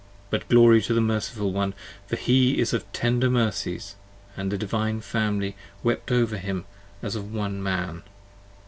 But, glory to the Merciful One, for he is of tender mercies! And the Divine Family wept over him as One Man.